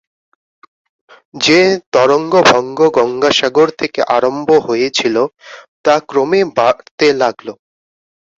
যে তরঙ্গভঙ্গ গঙ্গাসাগর থেকে আরম্ভ হয়েছিল, তা ক্রমে বাড়তে লাগল।